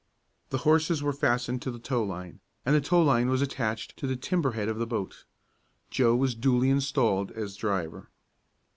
The horses were fastened to the tow line, and the tow line was attached to the timber head of the boat. Joe was duly installed as driver.